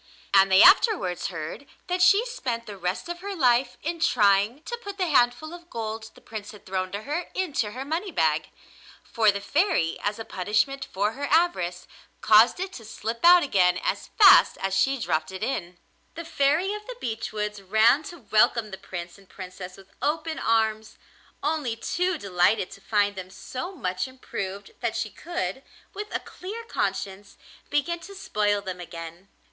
And they afterwards heard that she spent the rest of her life in trying to put the handful of gold the Prince had thrown to her into her money bag. For the Fairy, as a punishment for her avarice, caused it to slip out again as fast as she dropped it in. The Fairy of the Beech Woods ran to welcome the Prince and Princess with open arms, only too delighted to find them so much improved that she could, with a clear conscience, begin to spoil them again.